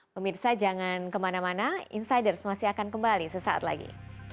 pemirsa jangan kemana mana insiders masih akan kembali sesaat lagi